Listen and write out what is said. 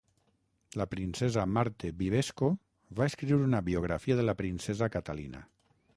La princesa Marthe Bibesco va escriure una biografia de la princesa Catalina.